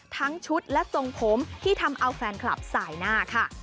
ทั้งชุดและทรงผมที่ทำเอาแฟนคลับสายหน้าค่ะ